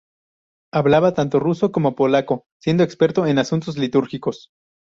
Hablaba tanto ruso como polaco, siendo experto en asuntos litúrgicos.